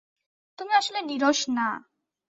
তুমি আসলে নীরস না।